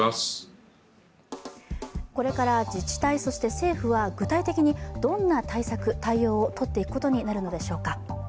これから自治体、そして政府は具体的にどんな対策対応をとっていくことになるのでしょうか。